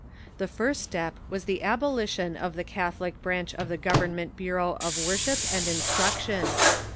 The first step was the ab olition of the Catholic bi'anch of the government bureau of Worship and Instruction.